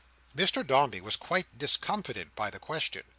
Mr Dombey was quite discomfited by the question.